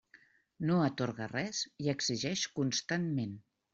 No atorga res i exigeix constantment.